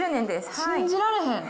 信じられへん。